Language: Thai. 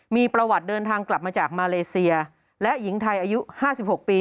มีประวัติเดินทางกลับมาจากมาเลเซียและหญิงไทยอายุ๕๖ปี